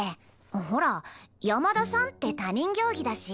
ほら「山田さん」って他人行儀だし。